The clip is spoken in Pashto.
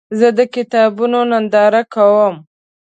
زه د کتابونو ننداره کوم.